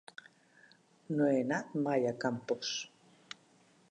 No he anat mai a Campos.